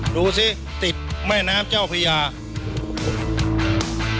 ดูซิติดแม่น้ำเจ้าของครั้งนี้ป่ะ